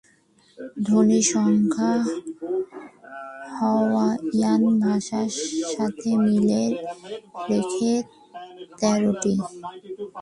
ধ্বনির সংখ্যা হাওয়াইয়ান ভাষার সাথে মিল রেখে তেরোটি।